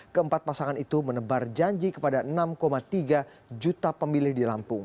keempat pasangan itu menebar janji kepada enam tiga juta pemilih di lampung